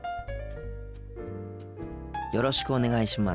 よろしくお願いします。